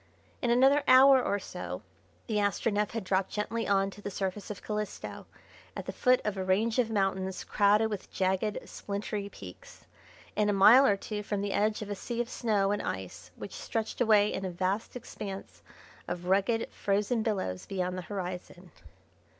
In another hour or so the Astronef had dropped gently on to the surface of Calisto at the foot of a range of mountains crowded with jagged and splintery peaks, and a mile or two from the edge of a sea of snow and ice which stretched away in a vast expanse of rugged frozen billows beyond the horizon.